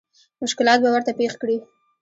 مشکلات به ورته پېښ کړي.